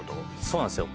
そうなんですよ